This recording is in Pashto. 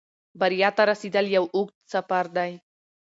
بریا ته رسېدل یو اوږد سفر دی.